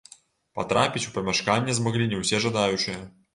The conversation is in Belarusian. Патрапіць у памяшканне змаглі не ўсе жадаючыя.